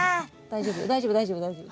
大丈夫大丈夫大丈夫。